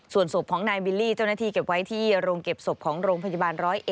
ส่วนศพของนายบิลลี่เจ้าหน้าที่เก็บไว้ที่โรงเก็บศพของโรงพยาบาล๑๐๑